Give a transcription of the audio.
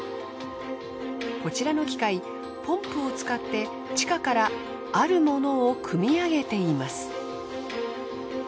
こちらの機械ポンプを使って地下からあるものを汲み上げています。